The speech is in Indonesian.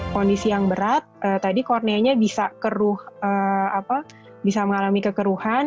kondisi yang berat tadi korneanya bisa mengalami kekeruhan